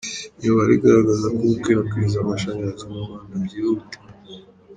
Imibare igaragaza ko gukwirakwiza amashanyarazi mu Rwanda byihuta.